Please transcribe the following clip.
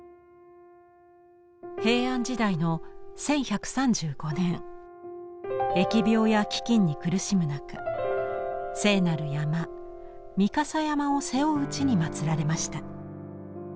平安時代の１１３５年疫病や飢きんに苦しむ中聖なる山御蓋山を背負う地にまつられました。